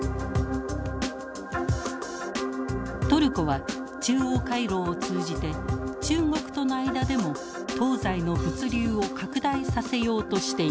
トルコは中央回廊を通じて中国との間でも東西の物流を拡大させようとしています。